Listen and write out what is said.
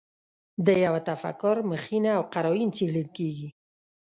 د یوه تفکر مخینه او قراین څېړل کېږي.